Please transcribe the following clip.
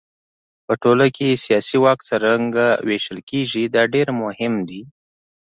په ټولنه کې سیاسي واک څرنګه وېشل کېږي دا ډېر مهم دی.